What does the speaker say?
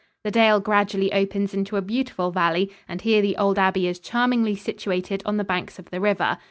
The dale gradually opens into a beautiful valley and here the old abbey is charmingly situated on the banks of the river.